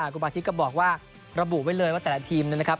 คุณอาทิตย์ก็บอกว่าระบุไว้เลยว่าแต่ละทีมนะครับ